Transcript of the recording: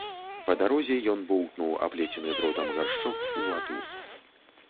Па дарозе ён боўтнуў аплецены дротам гаршчок у ваду.